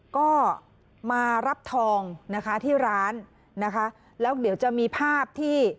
ก็มารับทองนะคะที่ร้านนะคะแล้วเดี๋ยวจะมีภาพที่